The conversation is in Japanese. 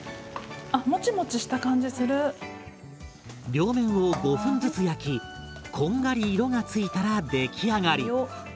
両面を５分ずつ焼きこんがり色が付いたら出来上がり。